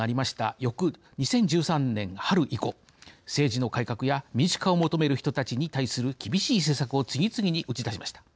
翌２０１３年春以降政治の改革や民主化を求める人たちに対する厳しい政策を次々に打ち出しました。